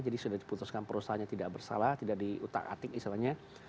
jadi sudah diputuskan perusahaannya tidak bersalah tidak diutak atik misalnya